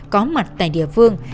có mặt tại địa phương